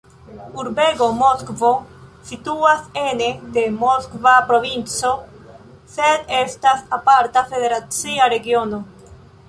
Urbego Moskvo situas ene de Moskva provinco, sed estas aparta federacia regiono.